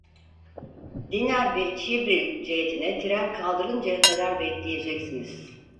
Dinar ve Çivril cihetine tren kaldırıncaya kadar bekleyeceksiniz.